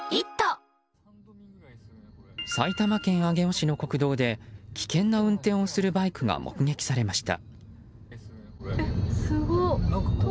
埼玉県上尾市の国道で危険な運転をするバイクが目撃されました。